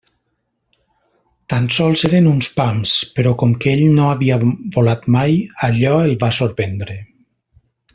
Tan sols eren uns pams, però com que ell no havia volat mai, allò el va sorprendre.